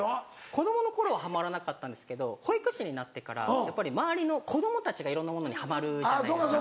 子供の頃はハマらなかったんですけど保育士になってからやっぱり周りの子供たちがいろんなものにハマるじゃないですか。